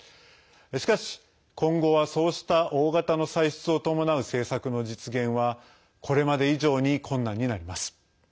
しかし、今後はそうした大型の歳出を伴う政策の実現はこれまで以上に困難になります。